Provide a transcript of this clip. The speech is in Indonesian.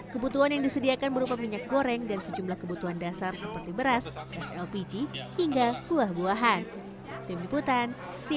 kebutuhan yang disediakan berupa minyak goreng dan sejumlah kebutuhan dasar seperti beras s l p g hingga buah buahan